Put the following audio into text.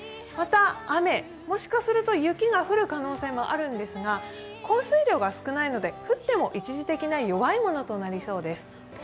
また、雨、もしかすると雪が降る可能性もあるんですが降水量が少ないので降っても一時的な弱いものとなりそうです。